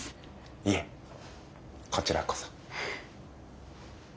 いえこちらこそ。